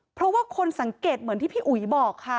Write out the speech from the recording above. เพราะว่าคนสังเกตเหมือนที่พี่อุ๋ยบอกค่ะ